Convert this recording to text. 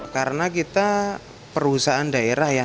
karena kita perusahaan daerah ya